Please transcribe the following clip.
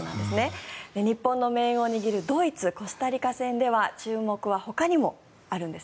日本の命運を握るドイツ・コスタリカ戦では注目はほかにもあるんです。